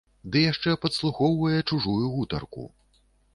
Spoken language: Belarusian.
Ды яшчэ падслухоўвае чужую гутарку!